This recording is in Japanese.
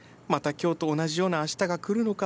今日と同じようなあしたが来るのか。